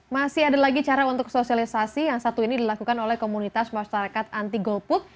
masih ada lagi cara untuk sosialisasi yang satu ini dilakukan oleh komunitas masyarakat anti golput